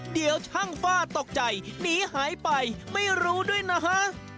เดี๋ยวช่างฝ้าตกใจหนีหายไปไม่รู้ด้วยนะฮะ